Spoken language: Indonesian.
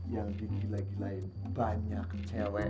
yang digilai gilain banyak cewek